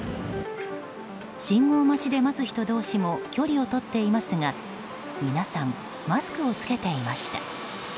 信号待ちで待つ人同士も距離をとっていますが皆さん、マスクを着けていました。